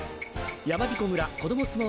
やまびこ村こどもすもう